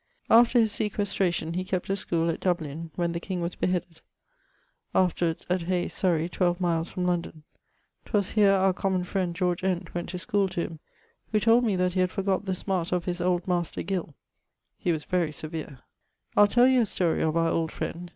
After his sequestration he kept a schoole at Dublyn (when the king was beheaded); afterwards at Hayes, Surrey, 12 miles from London. 'Twas here our common friend George Ent went to schoole to him, who told me that he had forgot the smart of his old master, Gill; he was very severe. I'le tell you a story of our old friend.